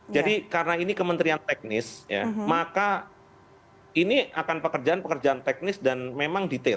jadi karena ini kementerian teknis ya maka ini akan pekerjaan pekerjaan teknis dan memang detail